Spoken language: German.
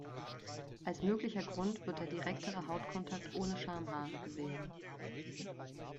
Als möglicher Grund wird der direktere Hautkontakt ohne Schamhaare gesehen.